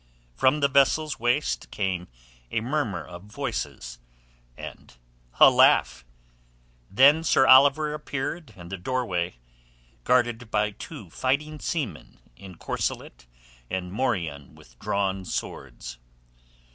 From the vessel's waist came a murmur of voices and a laugh. Then Sir Oliver appeared in the doorway guarded by two fighting seamen in corselet and morion with drawn swords.